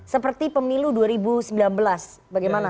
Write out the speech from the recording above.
seperti pemilu dua ribu sembilan belas bagaimana